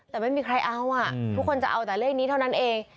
แต่ไม่มีใครเอาทุกคนจะเอาแต่เลขนี้เท่านั้นเอง